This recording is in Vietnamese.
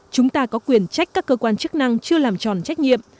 chúng ta có quyền trách các cơ quan chức năng chưa làm tròn trách nhiệm